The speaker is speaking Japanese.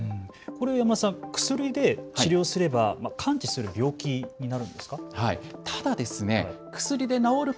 山田さん、これは薬で治療すれば完治する病気なんですか。